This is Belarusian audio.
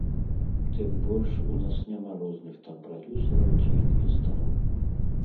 Тым больш, у нас няма розных там прадзюсараў ці інвестараў.